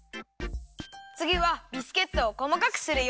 つぎはビスケットをこまかくするよ。